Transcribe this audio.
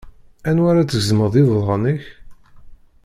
Anwa ar ad tgezmeḍ deg iḍudan-ik?